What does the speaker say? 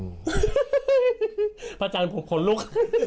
อาจารย์ผมขนลุก